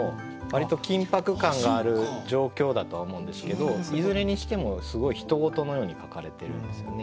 割と緊迫感がある状況だとは思うんですけどいずれにしてもすごいひと事のように書かれてるんですよね。